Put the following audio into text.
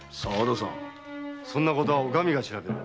そんなことはお上が調べる。